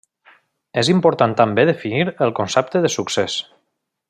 És important també definir el concepte de succés.